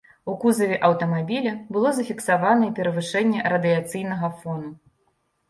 У кузаве аўтамабіля было зафіксаванае перавышэнне радыяцыйнага фону.